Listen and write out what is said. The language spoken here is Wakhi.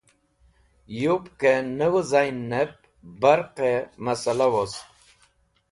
Yupkẽ ne vẽz̃hinnẽb barqẽ masla wost.